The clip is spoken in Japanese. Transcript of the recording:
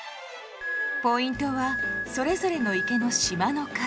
ポイントはそれぞれの池の島の数。